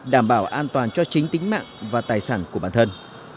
đảm bảo an toàn cho chính tính mạng và tài sản của bản thân